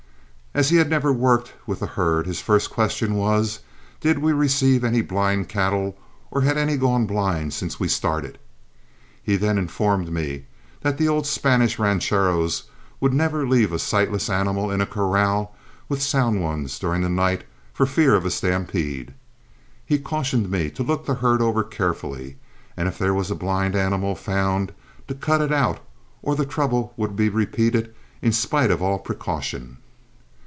As he had never worked with the herd, his first question was, did we receive any blind cattle or had any gone blind since we started? He then informed me that the old Spanish rancheros would never leave a sightless animal in a corral with sound ones during the night for fear of a stampede. He cautioned me to look the herd over carefully, and if there was a blind animal found to cut it out or the trouble would he repeated in spite of all precaution.